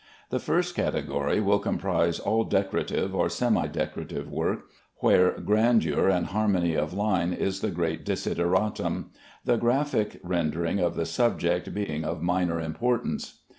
The first category will comprise all decorative or semi decorative work, where grandeur and harmony of line is the great desideratum; the graphic rendering of the subject being of minor importance.